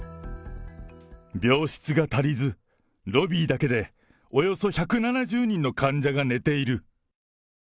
病室が足りず、ロビーだけでおよそ１７０人の患者が寝ている。